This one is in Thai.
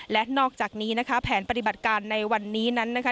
และนอกจากนี้นะคะแผนปฏิบัติการในวันนี้นั้นนะคะ